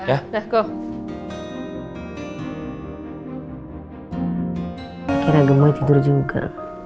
akhirnya gemot tidur juga